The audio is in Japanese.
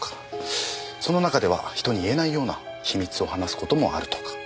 その中では人に言えないような秘密を話す事もあるとか。